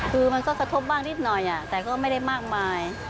คือมันก็กระทบบ้างนิดหน่อยแต่ก็ไม่ได้มากมาย